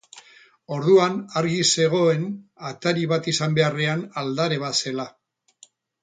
Orduan argi zegoen atari bat izan beharrean, aldare bat zela.